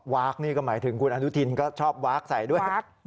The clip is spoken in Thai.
คนี่ก็หมายถึงคุณอนุทินก็ชอบวาร์คใส่ด้วย